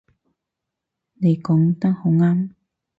你講得好啱